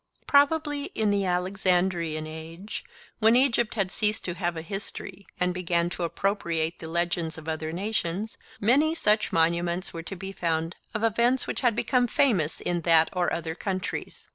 Probably in the Alexandrian age, when Egypt had ceased to have a history and began to appropriate the legends of other nations, many such monuments were to be found of events which had become famous in that or other countries.